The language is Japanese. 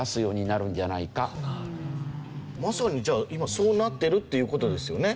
まさにじゃあ今そうなってるっていう事ですよね。